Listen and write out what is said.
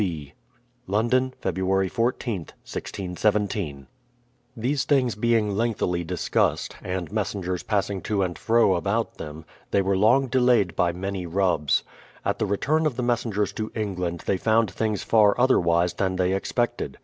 B. London, Feb. 14th, 1617. THE PLYMOUTH SETTLEMENT 31 These things being lengthily discussed, and messengers passing to and fro about them, they were long delayed by many rubs. At the return of the messengers to England they found things far otherwise than they expected.